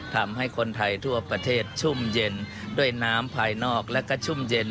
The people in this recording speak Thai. ทำให้คนไทยทั่วประเทศชุ่มเย็นด้วยน้ำภายนอกและก็ชุ่มเย็น